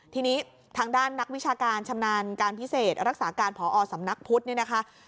ทีนี้ทางด้านนักวิชาการชำนาญการพิเศษรักษาการพอสำนักพุทธเนี่ยนะคะ